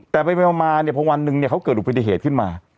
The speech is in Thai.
แต่ไปประมาณเนี่ยเพราะวันหนึ่งเนี่ยเขาเกิดอุปริธิเหตุขึ้นมา